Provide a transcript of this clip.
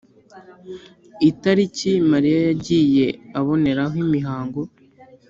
itariki mariya yagiye aboneraho imihango